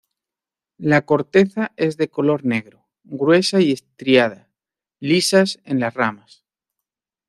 La corteza es de color negro, gruesa y estriada, lisas en las ramas.